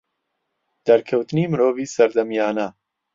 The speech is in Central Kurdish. دەرکەوتنی مرۆڤی سەردەمیانە